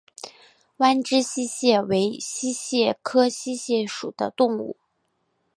弯肢溪蟹为溪蟹科溪蟹属的动物。